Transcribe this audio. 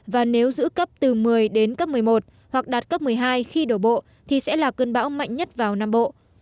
và nếu giữ cấp từ một mươi đến cấp một mươi một hoặc đạt cấp một mươi hai khi đổ bộ thì sẽ là cơn bão mạnh nhất vào nam bộ